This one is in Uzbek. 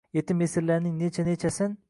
Yetim-yesirlarning necha-nechasin